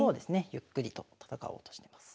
ゆっくりと戦おうとしてます。